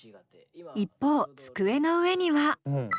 一方机の上には。